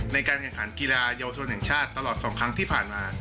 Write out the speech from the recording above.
ในการแข่งขันกีฬาเยาวชนแห่งชาติตลอด๒ครั้งที่ผ่านมา